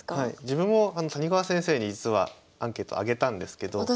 自分も谷川先生に実はアンケート挙げたんですけど。